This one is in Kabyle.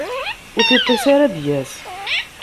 Ur tiṭ-is ara ad d-yas.